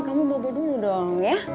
kamu bobo dulu dong ya